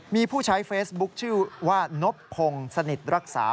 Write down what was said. มีผู้ใช้เฟซบุ๊คชื่อว่านบพงศ์สนิทรักษา